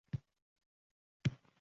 Kampirim ham keldi.